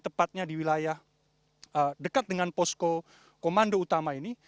tepatnya di wilayah dekat dengan posko komando utama ini